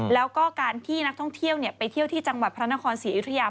แล้วก็การที่นักท่องเที่ยวไปเที่ยวที่จังหวัดพระนครศรีอยุธยา